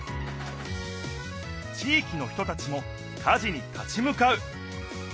地いきの人たちも火事に立ち向かう。